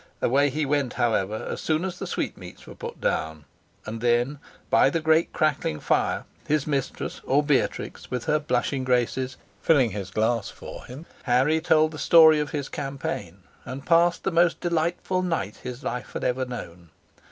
Away he went, however, as soon as the sweetmeats were put down, and then, by the great crackling fire, his mistress or Beatrix, with her blushing graces, filling his glass for him, Harry told the story of his campaign, and passed the most delightful night his life had ever known.